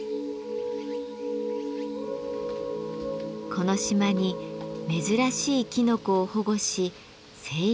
この島に珍しいきのこを保護し生育している森があります。